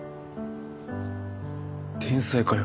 天才かよ。